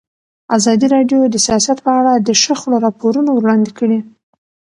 ازادي راډیو د سیاست په اړه د شخړو راپورونه وړاندې کړي.